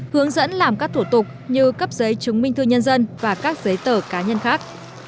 hướng dẫn làm các thủ tục như cấp giấy chứng minh thư nhân dân và các giấy tờ cá nhân khác